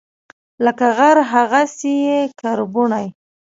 لکه غر، هغسي یې کربوڼی